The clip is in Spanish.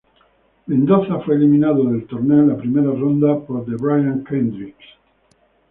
Mendoza fue eliminado del torneo en la primera ronda por The Brian Kendrick.